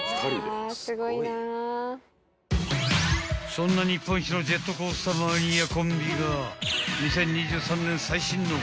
［そんな日本一のジェットコースターマニアコンビが］